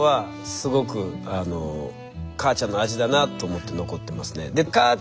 すごく母ちゃんの味だなと思って残ってますね。